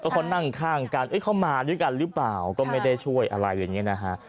เขานั่งข้างกันเขามาด้วยกันหรือเปล่าก็ไม่ได้ช่วยอะไรอย่างนี้นะฮะ